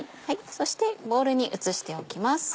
そしてボウルに移しておきます。